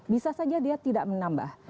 bisa saja dia tidak menambah